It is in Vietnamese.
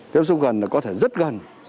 tiếp xúc gần là có thể rất gần